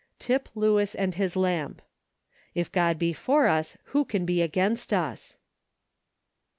Tip Lewis and Ilis Lamp. " If God be for us who can be against us?